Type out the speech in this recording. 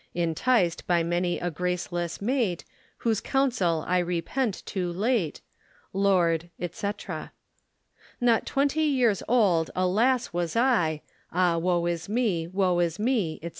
Inticed by many a gracelesse mate, Whose counsel I repent too late. Lord, &c. Not twentie yeeres old, alas, was I, Ah woe is me, woe is me, &c.